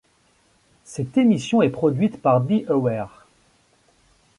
Cette émission est produite par Be Aware.